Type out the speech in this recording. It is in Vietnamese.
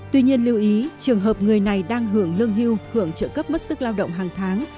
tuy nhiên lưu ý trường hợp người này đang hưởng lương hưu hưởng trợ cấp mất sức lao động hàng tháng